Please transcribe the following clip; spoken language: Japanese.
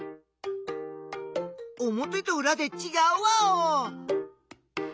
おもてとうらでちがうワオ！